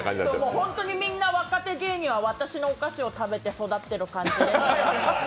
ホントにみんな若手芸人は私のお菓子を食べて育ってる感じです。